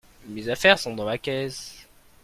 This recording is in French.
mes affaires sont dans ma caisse.